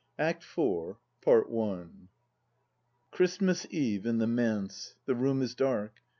ACT FOURTH Christmas Eve in the Manse. The room is dark.